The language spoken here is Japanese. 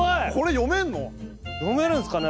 読めるんすかね？